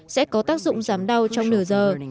sẽ có tác dụng giảm đau trong nửa giờ